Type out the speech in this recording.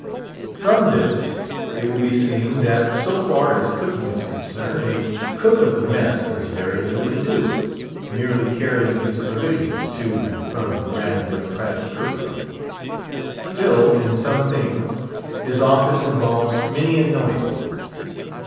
From this it will be seen, that, so far as cooking is concerned, a "cook of the mess" has very little to do; merely carrying his provisions to and from the grand democratic cookery. Still, in some things, his office involves many annoyances.